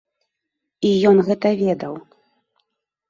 І ён гэта ведаў.